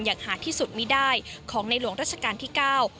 อย่างหาดที่สุดมีได้ของในหลวงราชการที่เก้า